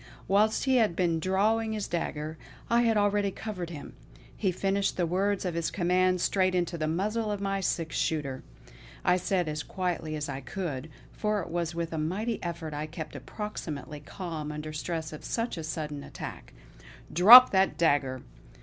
Whilst he had been drawing his dagger, I had already covered him; he finished the words of his command straight into the muzzle of my six shooter. I said as quietly as I could, for it was with a mighty effort I kept approximately calm under stress of such a sudden attack: "Drop that dagger!